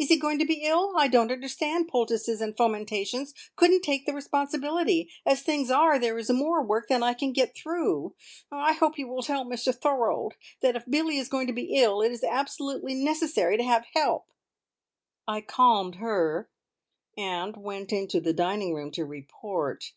"Is he going to be ill? I don't understand poultices and fomentations; couldn't take the responsibility! As things are, there is more work than I can get through. I hope you will tell Mr Thorold that if Billie is going to be ill, it is absolutely necessary to have help." I calmed her, and went into the dining room to report.